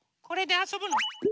これであそぶの？